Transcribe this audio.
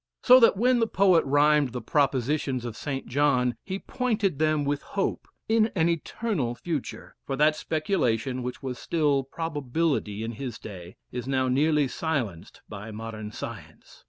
So that when the poet rhymed the propositions of St. John, he pointed them with "hope" in an eternal future; for that speculation which was still probability in his day, is now nearly silenced by modern science.